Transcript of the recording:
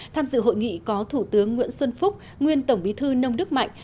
tham dự hội nghị có thủ tướng nguyễn xuân phúc nguyên tổng bí thư nông đức mạnh